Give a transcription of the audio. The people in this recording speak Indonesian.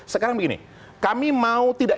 sekarang begini kami mau tidak